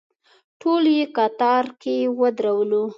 ټول یې کتار کې ودرولو.